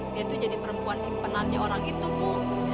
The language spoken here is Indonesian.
dia tuh jadi perempuan sih penalnya orang itu bu